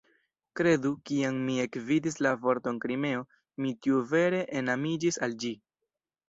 Kredu, kiam mi ekvidis la vorton "Krimeo" mi tuj vere enamiĝis al ĝi.